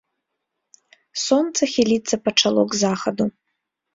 Сонца хіліцца пачало к захаду.